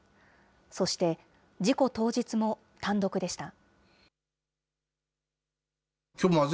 そして、事故当日も単独でした。